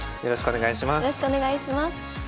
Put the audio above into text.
よろしくお願いします。